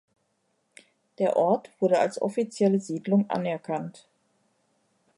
Der Ort wurde als offizielle Siedlung anerkannt.